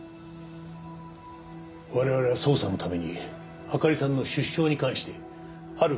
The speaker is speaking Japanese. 我々は捜査のためにあかりさんの出生に関してある推測をしなくては。